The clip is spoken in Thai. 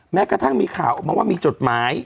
แม้กระทั่งมีข่าวออกมาว่ามีจดหมาย